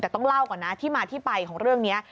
แต่ต้องเล่าก่อนนะที่มาที่ไปของเรื่องนี้